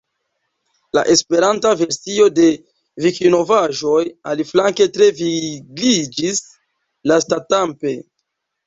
La Esperanta versio de Vikinovaĵoj aliflanke tre vigliĝis lastatampe.